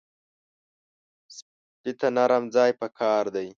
سپي ته نرم ځای پکار دی.